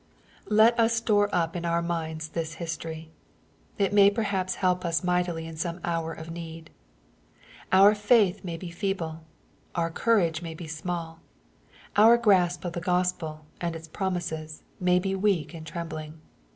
^' Let us store up in our minds this history. It may perhaps help us mightily in some hour of need. Our faith may be feeble. Our courage may be smaU. Our grasp of the Gospel, and its promises, may be weak and trembling.